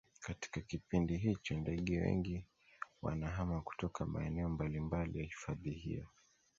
katika kipindi hicho ndege wengi wanahama kutoka maeneo mbalimbali ya hifadhi hiyo